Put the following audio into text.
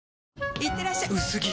いってらっしゃ薄着！